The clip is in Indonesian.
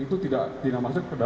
itu sudah disampaikan oleh pak jokowi